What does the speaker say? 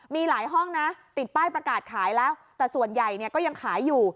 มีหลายห้องนะติดป้ายประกาศขายแล้วแต่ส่วนใหญ่เนี่ยก็ยังขายอยู่